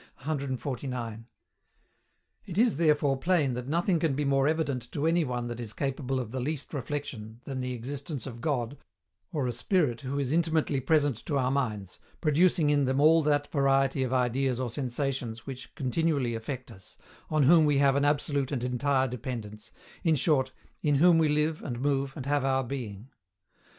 149. It is therefore plain that nothing can be more evident to any one that is capable of the least reflexion than the existence of God, or a Spirit who is intimately present to our minds, producing in them all that variety of ideas or sensations which continually affect us, on whom we have an absolute and entire dependence, in short "in whom we live, and move, and have our being."